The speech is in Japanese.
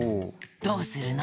どうするの？